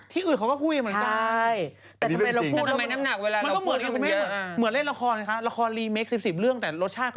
แต่ข่าวที่เราเอามาก็